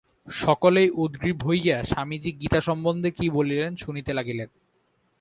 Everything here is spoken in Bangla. সকলেই উদগ্রীব হইয়া স্বামীজী গীতা সম্বন্ধে কি বলেন, শুনিতে লাগিলেন।